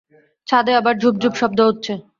ছাদে আবার ঝুপঝুপ শব্দ হচ্ছে।